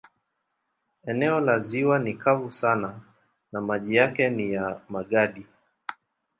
Eneo la ziwa ni kavu sana na maji yake ni ya magadi.